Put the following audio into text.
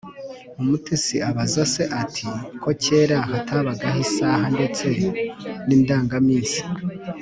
umutesi abaza se ati ko kera hatabagaho isaha ndetse n'indangaminsi